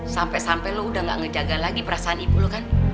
sampai sampai lo udah gak ngejaga lagi perasaan ibu lu kan